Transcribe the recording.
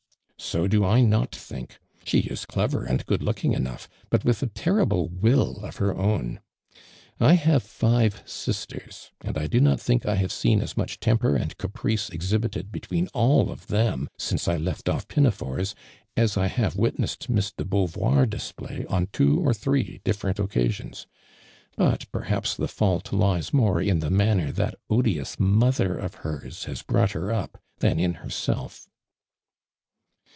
" So do I not think. She is clever, and good looking enough, but with a terrible will of her own. I have five sisters, and I do not think I have seen as much toinpei and caprice exhibited between all of them, since I loft ofl" pinafores, as I have witness ed Miss de Bejiuvoir display on two or three different occasions. But perhaps the fault lies more in the nmnner that odious mo ther of heis has brought her up than in her self."